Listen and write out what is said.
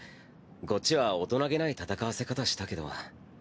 こっちは大人気ない戦わせ方したけど。